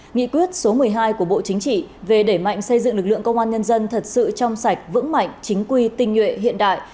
nghị quyết số một mươi hai của bộ chính trị về đẩy mạnh xây dựng lực lượng công an nhân dân thật sự trong sạch vững mạnh chính quy tinh nhuệ hiện đại